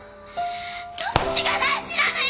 どっちが大事なのよ！